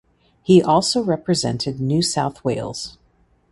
He also represented New South Wales.